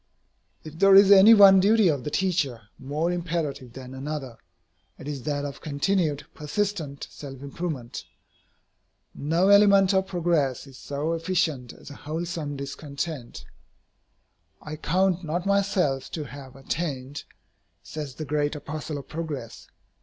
If there is any one duty of the teacher more imperative than another, it is that of continued, persistent self improvement. No element of progress is so efficient as a wholesome discontent. "I count not myself to have attained," says the great apostle of progress.